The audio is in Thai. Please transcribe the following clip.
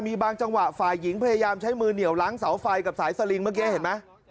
มีบางจังหวะฝ่ายหญิงพยายามใช้มือเหนียวล้างเสาไฟกับสายสลิงเมื่อกี้เห็นไหม